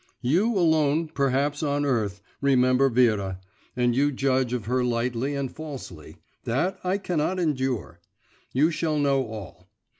You alone, perhaps, on earth, remember Vera, and you judge of her lightly and falsely; that I cannot endure. You shall know all.